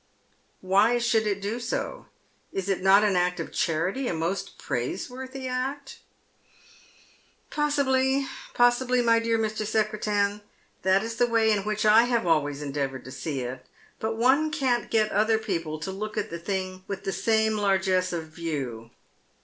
" Why should it do so ? Is it not an act of charity, a most praiseworthy act ?"" Possibly, possibly, my dear Mr. Secretan. That is the way in which I have always endeavoured to see it, but one can't get other people to look at the thing with the same largenes* of view.